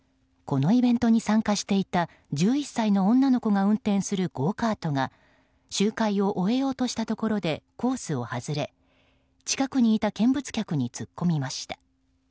このイベントに参加していた１１歳の女の子が運転するゴーカートが周回を終えようとしたところでコースを外れ近くにいた見物客に突っ込みました。